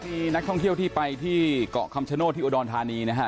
มีนักท่องเที่ยวที่ไปที่เกาะคำชโนธที่อุดรธานีนะฮะ